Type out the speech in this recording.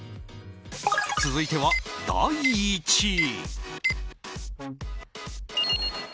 続いては第１位。